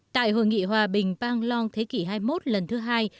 tại hội nghị hòa bình banglong thế kỷ hai mươi một lần thứ hai